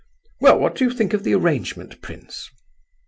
"Well, what do you think of the arrangement, prince?"